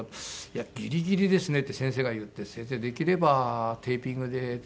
「いやギリギリですね」って先生が言って「先生できればテーピングで」。